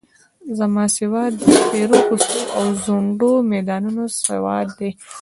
زما سواد د سپېرو کوڅو او سوځنده میدانونو سواد دی.